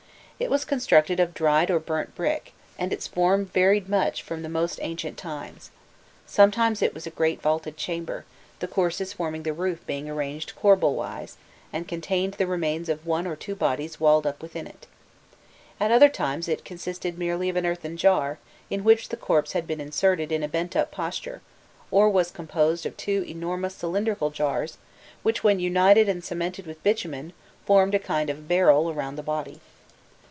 It was constructed of dried or burnt brick, and its form varied much from the most ancient times. Sometimes it was a great vaulted chamber, the courses forming the roof being arranged corbel wise, and contained the remains of one or two bodies walled up within it.* At other times it consisted merely of an earthen jar, in which the corpse had been inserted in a bent up posture, or was composed of two enormous cylindrical jars, which, when united and cemented with bitumen, formed a kind of barrel around the body.